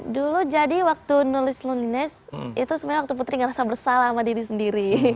dulu jadi waktu nulis loneliness itu sebenarnya waktu putri ngerasa bersalah sama diri sendiri